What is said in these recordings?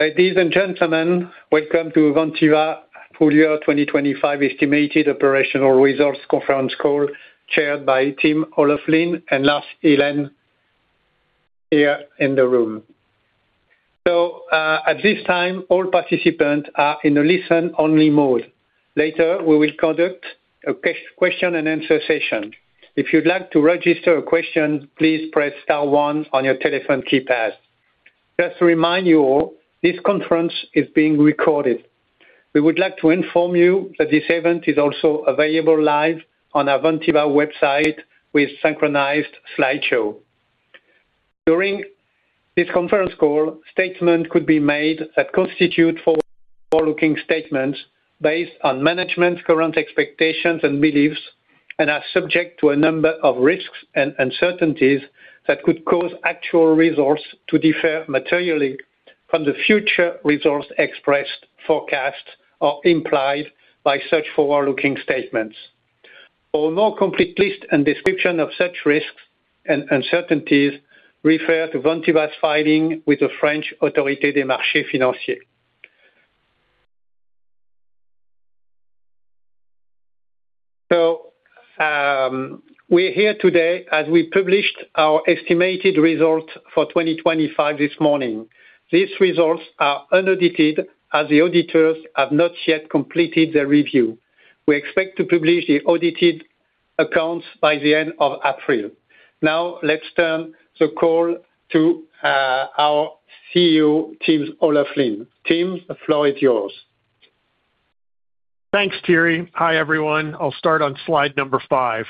Ladies and gentlemen, welcome to Vantiva Full Year 2025 Estimated Operational Results conference call, chaired by Tim O'Loughlin and Lars Ihlen here in the room. At this time, all participants are in a listen-only mode. Later, we will conduct a question and answer session. If you'd like to register a question, please press star one on your telephone keypad. Just to remind you all, this conference is being recorded. We would like to inform you that this event is also available live on our Vantiva website with synchronized slideshow. During this conference call, statements could be made that constitute forward-looking statements based on management's current expectations and beliefs and are subject to a number of risks and uncertainties that could cause actual results to differ materially from the future results expressed, forecast, or implied by such forward-looking statements. For a more complete list and description of such risks and uncertainties, refer to Vantiva's filing with the French Autorité des Marchés Financiers. We're here today as we published our estimated results for 2025 this morning. These results are unaudited as the auditors have not yet completed their review. We expect to publish the audited accounts by the end of April. Now, let's turn the call to our CEO, Tim O'Loughlin. Tim, the floor is yours. Thanks, Thierry. Hi, everyone. I'll start on slide number five.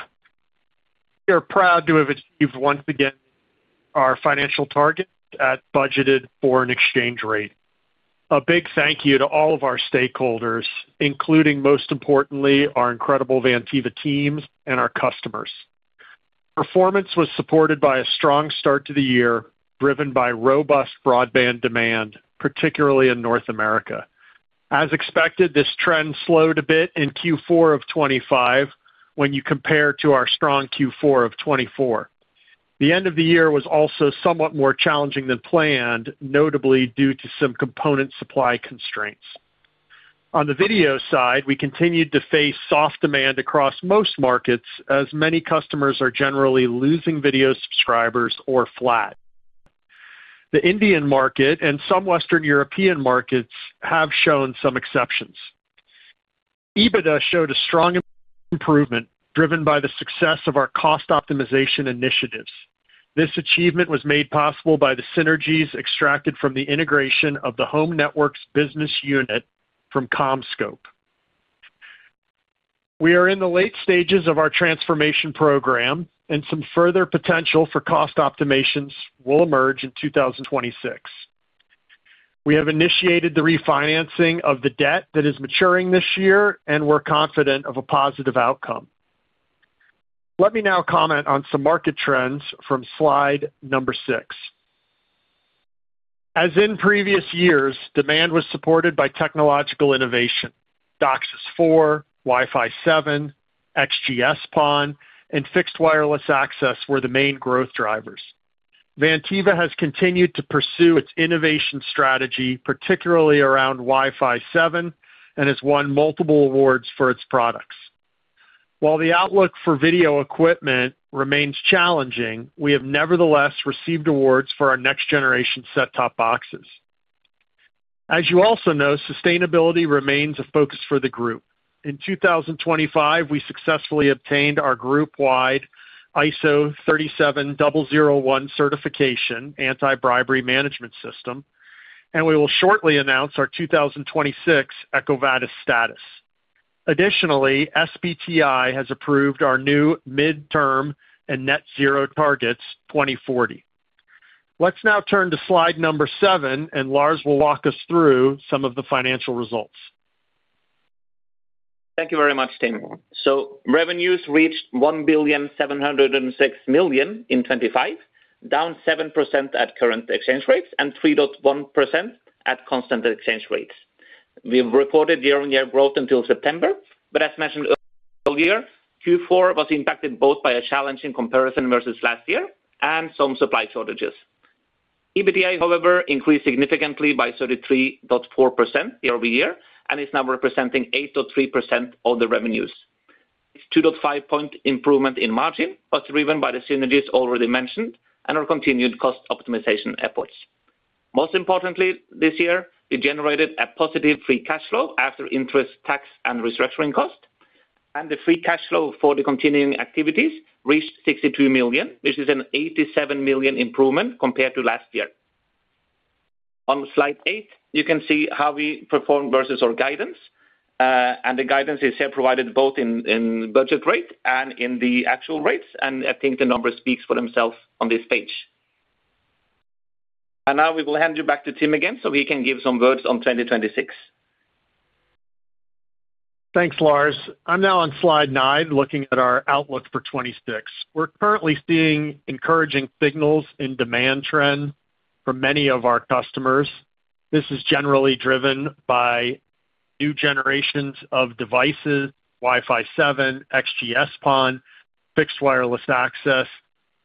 We're proud to have achieved once again our financial target at budgeted foreign exchange rate. A big thank you to all of our stakeholders, including, most importantly, our incredible Vantiva teams and our customers. Performance was supported by a strong start to the year, driven by robust broadband demand, particularly in North America. As expected, this trend slowed a bit in Q4 of 2025 when you compare to our strong Q4 of 2024. The end of the year was also somewhat more challenging than planned, notably due to some component supply constraints. On the video side, we continued to face soft demand across most markets as many customers are generally losing video subscribers or flat. The Indian market and some Western European markets have shown some exceptions. EBITDA showed a strong improvement driven by the success of our cost optimization initiatives. This achievement was made possible by the synergies extracted from the integration of the Home Networks business unit from CommScope. We are in the late stages of our transformation program, and some further potential for cost optimizations will emerge in 2026. We have initiated the refinancing of the debt that is maturing this year, and we're confident of a positive outcome. Let me now comment on some market trends from slide number six. As in previous years, demand was supported by technological innovation. DOCSIS 4.0, Wi-Fi 7, XGS-PON, and Fixed Wireless Access were the main growth drivers. Vantiva has continued to pursue its innovation strategy, particularly around Wi-Fi 7, and has won multiple awards for its products. While the outlook for video equipment remains challenging, we have nevertheless received awards for our next generation set-top boxes. As you also know, sustainability remains a focus for the group. In 2025, we successfully obtained our group-wide ISO 37001 certification anti-bribery management system, and we will shortly announce our 2026 EcoVadis status. Additionally, SBTI has approved our new midterm and net zero targets, 2040. Let's now turn to slide number seven, and Lars will walk us through some of the financial results. Thank you very much, Tim. Revenues reached 1,706 million in 2025, down 7% at current exchange rates and 3.1% at constant exchange rates. We've reported year-on-year growth until September, but as mentioned earlier, Q4 was impacted both by a challenging comparison versus last year and some supply shortages. EBITDA, however, increased significantly by 33.4% YoY and is now representing 8.3% of the revenues. This 2.5 improvement in margin was driven by the synergies already mentioned and our continued cost optimization efforts. Most importantly, this year, we generated a positive free cash flow after interest, tax, and restructuring costs, and the free cash flow for the continuing activities reached 62 million, which is an 87 million improvement compared to last year. On slide eight, you can see how we performed versus our guidance, and the guidance is here provided both in budget rate and in the actual rates, and I think the numbers speaks for themselves on this page. Now we will hand you back to Tim again, so he can give some words on 2026. Thanks, Lars. I'm now on slide nine, looking at our outlook for 2026. We're currently seeing encouraging signals in demand trend for many of our customers. This is generally driven by new generations of devices, Wi-Fi 7, XGS-PON, Fixed Wireless Access.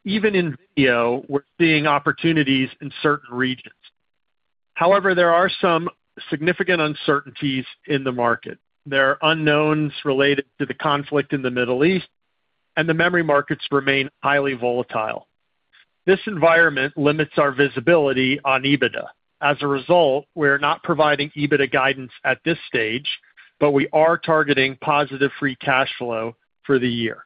Even in video, we're seeing opportunities in certain regions. However, there are some significant uncertainties in the market. There are unknowns related to the conflict in the Middle East, and the memory markets remain highly volatile. This environment limits our visibility on EBITDA. As a result, we're not providing EBITDA guidance at this stage, but we are targeting positive free cash flow for the year.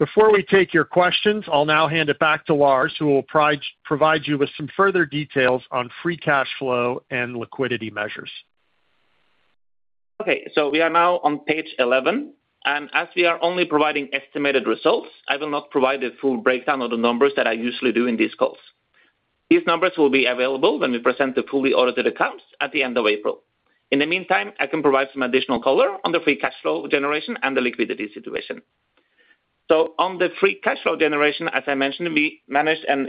Before we take your questions, I'll now hand it back to Lars, who will provide you with some further details on free cash flow and liquidity measures. Okay, we are now on page 11, and as we are only providing estimated results, I will not provide a full breakdown of the numbers that I usually do in these calls. These numbers will be available when we present the fully audited accounts at the end of April. In the meantime, I can provide some additional color on the free cash flow generation and the liquidity situation. On the free cash flow generation, as I mentioned, we managed an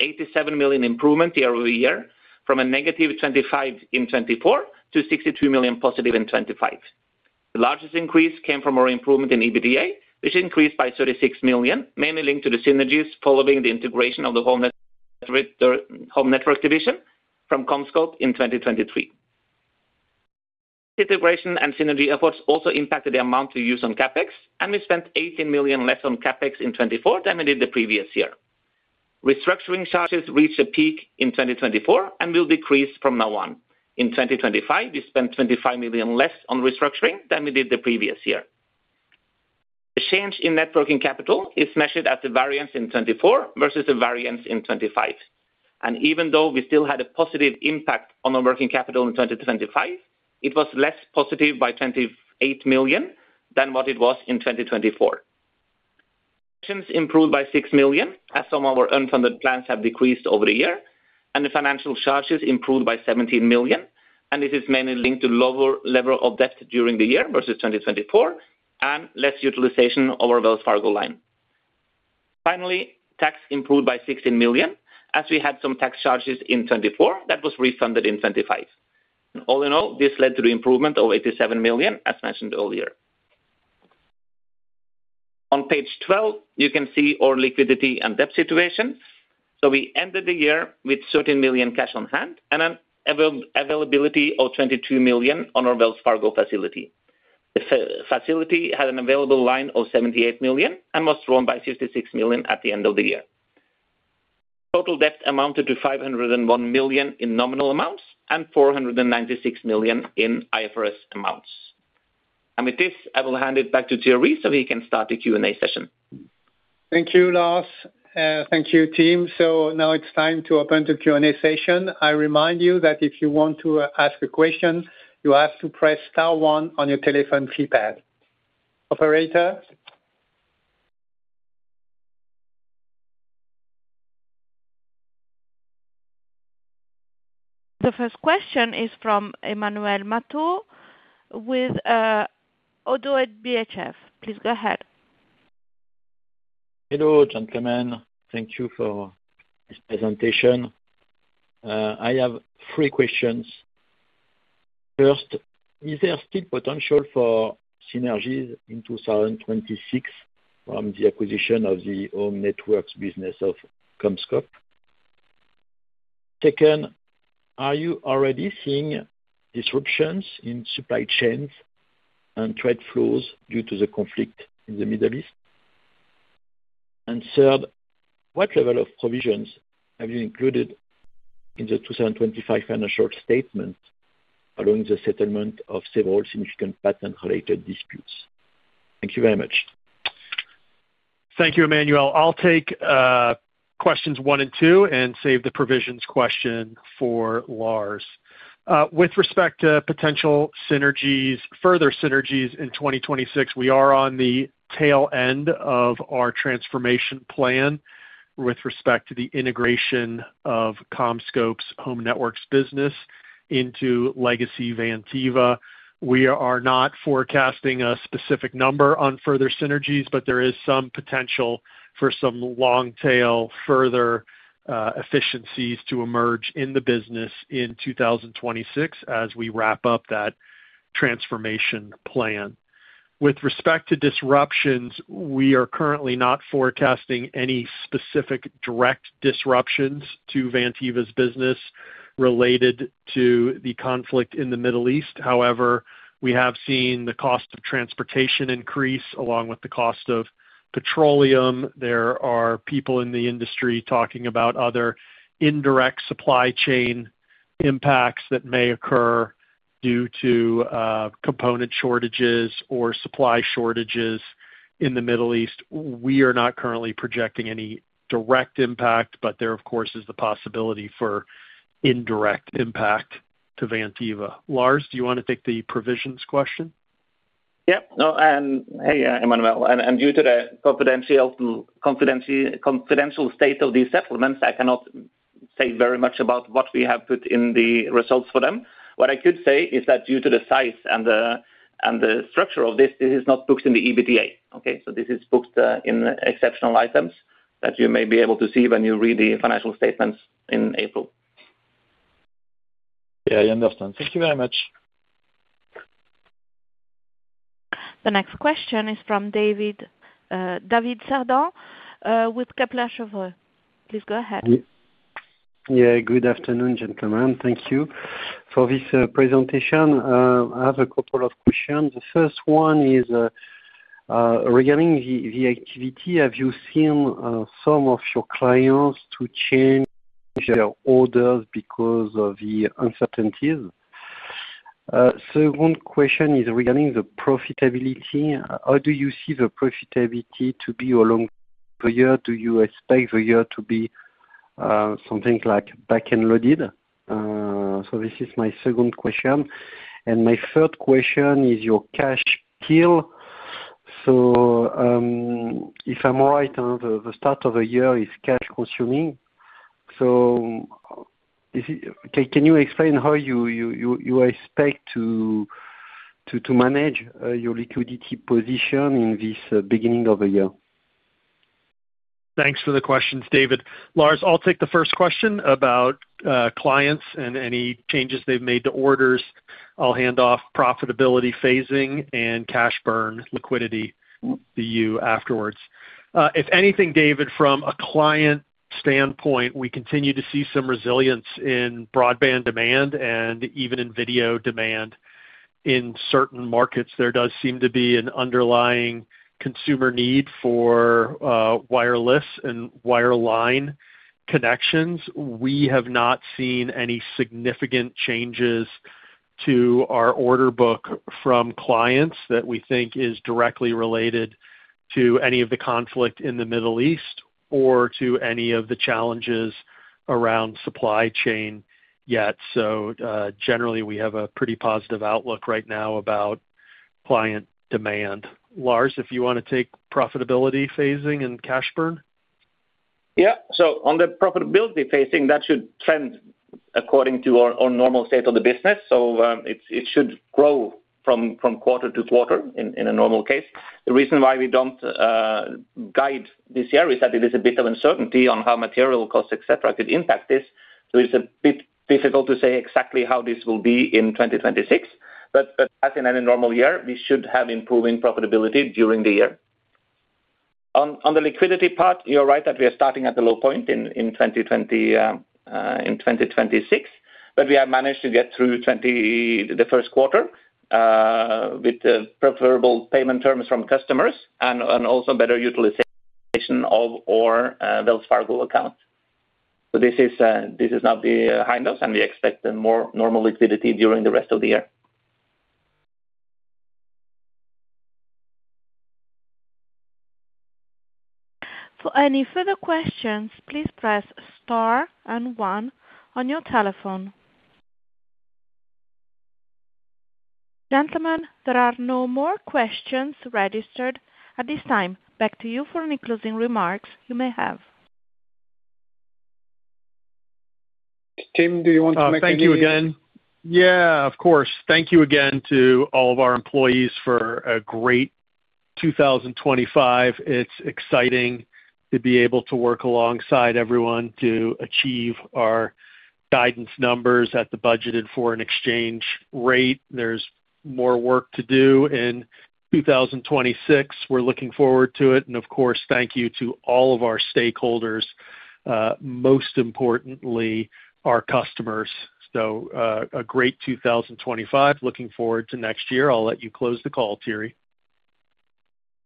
87 million improvement YoY from a negative 25 million in 2024 to 62 million positive in 2025. The largest increase came from our improvement in EBITDA, which increased by 36 million, mainly linked to the synergies following the integration of the Home Networks division from CommScope in 2023. Integration and synergy efforts also impacted the amount we use on CapEx, and we spent 18 million less on CapEx in 2024 than we did the previous year. Restructuring charges reached a peak in 2024 and will decrease from now on. In 2025, we spent 25 million less on restructuring than we did the previous year. The change in net working capital is measured at the variance in 2024 versus the variance in 2025. Even though we still had a positive impact on our working capital in 2025, it was less positive by 28 million than what it was in 2024. Improvements improved by 6 million, as some of our unfunded plans have decreased over the year, and the financial charges improved by 17 million, and this is mainly linked to lower level of debt during the year versus 2024, and less utilization over Wells Fargo line. Finally, tax improved by 16 million as we had some tax charges in 2024 that was refunded in 2025. All in all, this led to the improvement of 87 million, as mentioned earlier. On page 12, you can see our liquidity and debt situation. We ended the year with 13 million cash on hand and an availability of 22 million on our Wells Fargo facility. The facility had an available line of 78 million and was drawn by 56 million at the end of the year. Total debt amounted to 501 million in nominal amounts and 496 million in IFRS amounts. With this, I will hand it back to Thierry so we can start the Q&A session. Thank you, Lars. Thank you, team. Now it's time to open the Q&A session. I remind you that if you want to ask a question, you have to press star one on your telephone keypad. Operator? The first question is from Emmanuel Matot with ODDO BHF. Please go ahead. Hello, gentlemen. Thank you for this presentation. I have three questions. First, is there still potential for synergies in 2026 from the acquisition of the Home Networks business of CommScope? Second, are you already seeing disruptions in supply chains and trade flows due to the conflict in the Middle East? Third, what level of provisions have you included in the 2025 financial statement following the settlement of several significant patent-related disputes? Thank you very much. Thank you, Emmanuel. I'll take questions one and question two and save the provisions question for Lars. With respect to potential synergies, further synergies in 2026, we are on the tail end of our transformation plan with respect to the integration of CommScope's Home Networks business into legacy Vantiva. We are not forecasting a specific number on further synergies, but there is some potential for some long tail further efficiencies to emerge in the business in 2026 as we wrap up that transformation plan. With respect to disruptions, we are currently not forecasting any specific direct disruptions to Vantiva's business related to the conflict in the Middle East. However, we have seen the cost of transportation increase along with the cost of petroleum. There are people in the industry talking about other indirect supply chain impacts that may occur due to component shortages or supply shortages in the Middle East. We are not currently projecting any direct impact, but there, of course, is the possibility for indirect impact to Vantiva. Lars, do you wanna take the provisions question? Yeah. No, hey, Emmanuel. Due to the confidential state of these settlements, I cannot say very much about what we have put in the results for them. What I could say is that due to the size and the structure of this is not booked in the EBITDA, okay? This is booked in exceptional items. That you may be able to see when you read the financial statements in April. Yeah, I understand. Thank you very much. The next question is from David Cerdon, with Kepler Cheuvreux. Please go ahead. Yeah. Good afternoon, gentlemen. Thank you for this presentation. I have a couple of questions. The first one is regarding the activity. Have you seen some of your clients to change their orders because of the uncertainties? Second question is regarding the profitability. How do you see the profitability to be along the year? Do you expect the year to be something like back-end loaded? This is my second question. My third question is your cash flow. If I'm right, the start of the year is cash consuming. Can you explain how you expect to manage your liquidity position in the beginning of the year? Thanks for the questions, David. Lars, I'll take the first question about clients and any changes they've made to orders. I'll hand off profitability phasing and cash burn liquidity to you afterwards. If anything, David, from a client standpoint, we continue to see some resilience in broadband demand and even in video demand. In certain markets, there does seem to be an underlying consumer need for wireless and wireline connections. We have not seen any significant changes to our order book from clients that we think is directly related to any of the conflict in the Middle East or to any of the challenges around supply chain yet. Generally, we have a pretty positive outlook right now about client demand. Lars, if you wanna take profitability phasing and cash burn. Yeah. On the profitability phasing, that should trend according to our normal state of the business. It should grow from quarter to quarter in a normal case. The reason why we don't guide this year is that it is a bit of uncertainty on how material costs, et cetera, could impact this. It's a bit difficult to say exactly how this will be in 2026. But as in any normal year, we should have improving profitability during the year. On the liquidity part, you're right that we are starting at a low point in 2026. But we have managed to get through the Q1 with the preferable payment terms from customers and also better utilization of our Wells Fargo account. This is now the high notes, and we expect a more normal liquidity during the rest of the year. For any further questions, please press star and one on your telephone. Gentlemen, there are no more questions registered at this time. Back to you for any closing remarks you may have. Tim, do you want to make any? Thank you again. Yeah, of course. Thank you again to all of our employees for a great 2025. It's exciting to be able to work alongside everyone to achieve our guidance numbers at the budgeted foreign exchange rate. There's more work to do in 2026. We're looking forward to it. Of course, thank you to all of our stakeholders, most importantly, our customers. A great 2025. Looking forward to next year. I'll let you close the call, Thierry.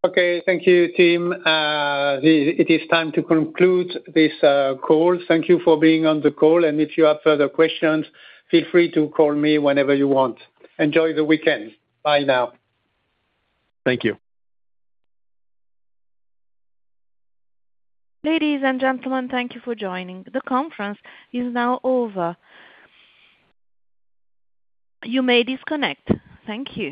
Okay. Thank you, Tim. It is time to conclude this call. Thank you for being on the call. If you have further questions, feel free to call me whenever you want. Enjoy the weekend. Bye now. Thank you. Ladies and gentlemen, thank you for joining. The conference is now over. You may disconnect. Thank you.